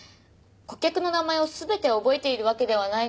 顧客の名前を全て覚えているわけではないので。